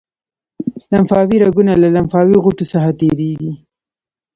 لمفاوي رګونه له لمفاوي غوټو څخه تیریږي.